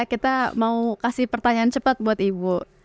kita mau kasih pertanyaan cepat buat ibu